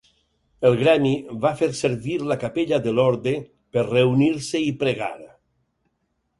El gremi va fer servir la capella de l'orde per reunir-se i pregar.